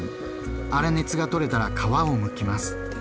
粗熱が取れたら皮をむきます。